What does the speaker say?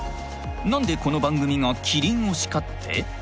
何でこの番組がキリン推しかって？